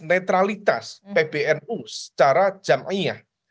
netralitas pbnu secara jama iyah